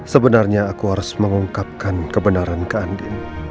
sebenarnya aku harus mengungkapkan kebenaran ke andin